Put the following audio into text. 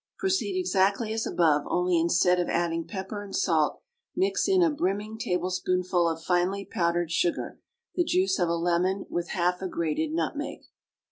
Proceed exactly as above, only instead of adding pepper and salt mix in a brimming tablespoonful of finely powdered sugar, the juice of a lemon, with half a grated nutmeg.